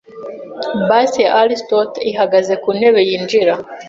Bust ya Aristote ihagaze kuntebe yinjira.